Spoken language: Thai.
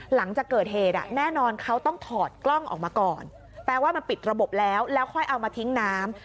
หลังจากเกิดเหตุแน่นอนเขาต้องถอดกล้องออกมาก่อนแปลว่ามันปิดระบบแล้วแล้วค่อยเอามาทิ้งน้ำ